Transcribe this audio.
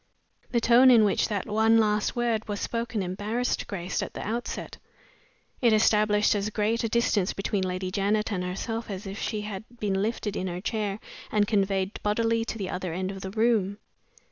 The tone in which that one last word was spoken embarrassed Grace at the outset. It established as great a distance between Lady Janet and herself as if she had been lifted in her chair and conveyed bodily to the other end of the room.